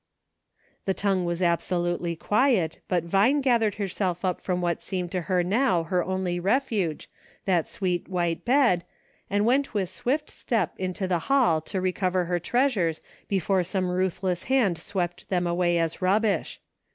The tongue was absolutely quiet, but Vine gath ered herself up from what seemed to her now her only refuge, that sweet white bed, and went with swift step into the hall to recover her treasures before some ruthless hand swept them away as rub bish.